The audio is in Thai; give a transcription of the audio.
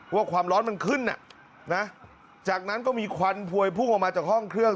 ว่าความร้อนมันขึ้นจากนั้นก็มีควันพวยพุ่งออกมาจากห้องเครื่อง